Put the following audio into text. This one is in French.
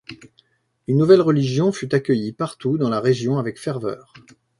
La nouvelle religion fut accueillie partout dans la région avec ferveur.